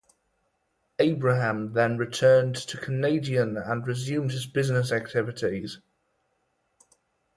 Abraham then returned to Canadian and resumed his business activities.